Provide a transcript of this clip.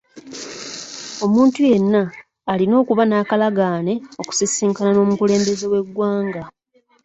Omuntu yenna alina okuba n'akalagaane okusisinkana n'omukulembeze w'eggwanga.